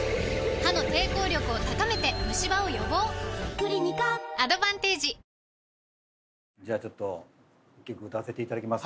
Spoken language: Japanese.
クリニカアドバンテージじゃあ、ちょっと１曲歌わせていただきます。